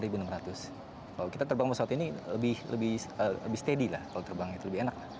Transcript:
kalau kita terbang pesawat ini lebih steady lah lebih enak